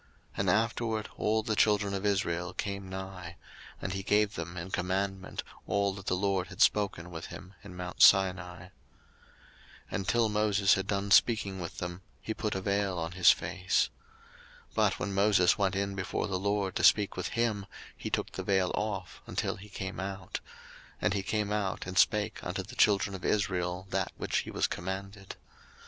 02:034:032 And afterward all the children of Israel came nigh: and he gave them in commandment all that the LORD had spoken with him in mount Sinai. 02:034:033 And till Moses had done speaking with them, he put a vail on his face. 02:034:034 But when Moses went in before the LORD to speak with him, he took the vail off, until he came out. And he came out, and spake unto the children of Israel that which he was commanded.